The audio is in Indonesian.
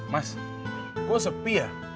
mas kok sepi ya